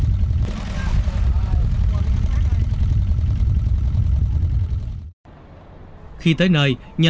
khi tới nơi nhờ sự giúp đỡ của tổ tin sát tổ tin sát đã lên đường về phụng hiệp